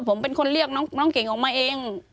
ผมเป็นคนเรียกน้องเก่งออกมาเอง